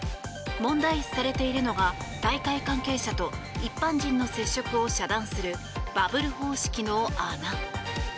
問題視されているのが大会関係者と一般人の接触を遮断するバブル方式の穴。